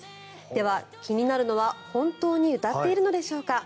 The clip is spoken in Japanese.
では、気になるのは本当に歌っているのでしょうか。